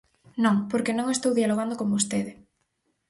Non, porque non estou dialogando con vostede.